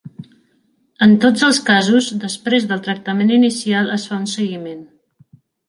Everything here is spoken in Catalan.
En tots els casos, després del tractament inicial es fa un seguiment.